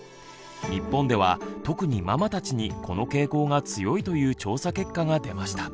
日本では特にママたちにこの傾向が強いという調査結果が出ました。